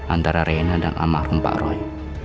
antara reyna dan amarung pak roy